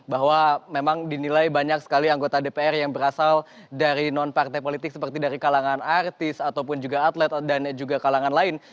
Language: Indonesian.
bahwa memang dinilai banyak sekali anggota dpr yang berasal dari non partai politik seperti dari kalangan artis ataupun juga atlet dan juga kalangan lain